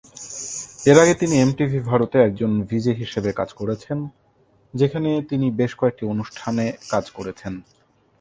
এর আগে, তিনি এমটিভি ভারতে একজন ভিজে হিসেবে কাজ করেছেন, যেখানে তিনি বেশ কয়েকটি অনুষ্ঠানে কাজ করেছেন।